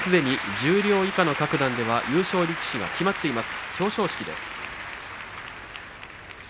十両以下の各段では優勝力士が決まっています。